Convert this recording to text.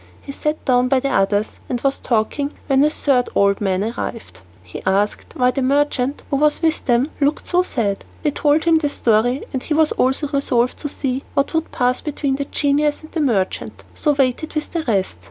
He sat down by the others, and was talking, when a third old man arrived. He asked why the merchant who was with them looked so sad. They told him the story, and he also resolved to see what would pass between the genius and the merchant, so waited with the rest.